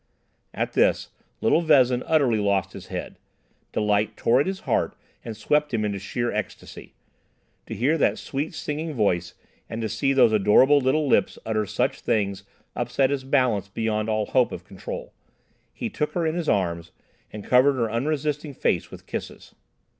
At this, little Vezin utterly lost his head. Delight tore at his heart and swept him into sheer ecstasy. To hear that sweet singing voice, and to see those adorable little lips utter such things, upset his balance beyond all hope of control. He took her in his arms and covered her unresisting face with kisses.